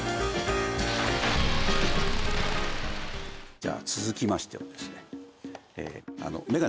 じゃあ続きましてはですね